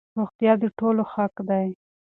روغتيا د ټولو حق دی.